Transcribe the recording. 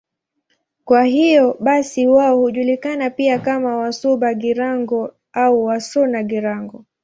Kwa hiyo basi wao hujulikana pia kama Wasuba-Girango au Wasuna-Girango.